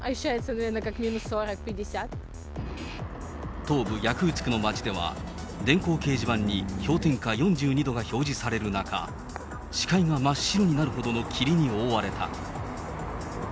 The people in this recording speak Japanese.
東部ヤクーツクの町では、電光掲示板に氷点下４２度が表示される中、視界が真っ白になるほどの霧に覆われた。